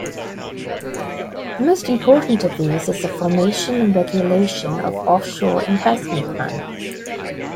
The most important of these is the formation and regulation of offshore investment funds.